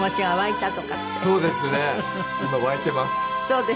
はい。